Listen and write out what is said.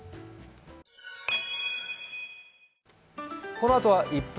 このあとは「１分！